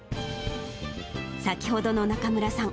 先ほどの中村さん。